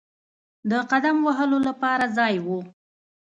د قدم وهلو لپاره ځای وو.